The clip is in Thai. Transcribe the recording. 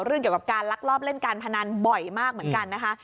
เรื่องเกี่ยวกับการลักลอบเล่นการพนันบ่อยมากเหมือนกันนะคะ